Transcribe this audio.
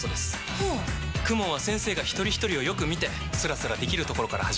はぁＫＵＭＯＮは先生がひとりひとりをよく見てスラスラできるところから始めます。